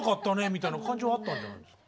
みたいな感じはあったんじゃないですか？